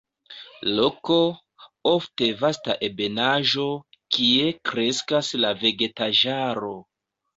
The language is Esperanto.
Loko, ofte vasta ebenaĵo, kie kreskas la vegetaĵaro.